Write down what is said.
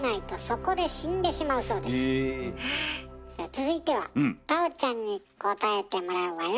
続いては太鳳ちゃんに答えてもらうわよ。